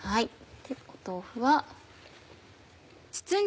豆腐は。